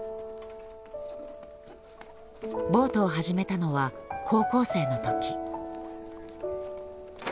ボートを始めたのは高校生の時。